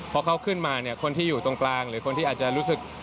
พอเขาขึ้นมาเนี่ยคนที่อยู่ตรงกลางหรือคนที่อาจจะรู้สึก